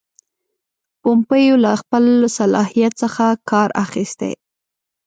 پومپیو له خپل صلاحیت څخه کار اخیستی.